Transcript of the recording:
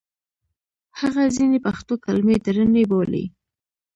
هغه ځینې پښتو کلمې درنې بولي.